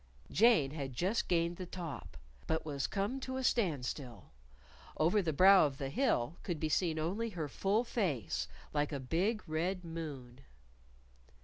Jane had just gained the top. But was come to a standstill. Over the brow of the hill could be seen only her full face like a big red moon.